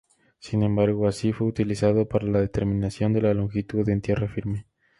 Sin embargo, sí fue utilizado para la determinación de la longitud en tierra firme.